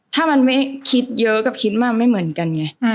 ถ้ามันไม่คิดเยอะก็คิดมากไม่เหมือนกันไง